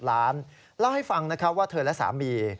ล้านเล่าให้ฟังนะครับว่าเธอและสามี